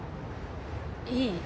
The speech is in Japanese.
いい。